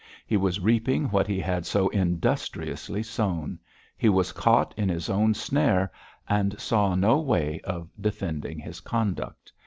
He was reaping what he had so industriously sown; he was caught in his own snare, and saw no way of defending his conduct.